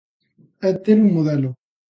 É ter un modelo.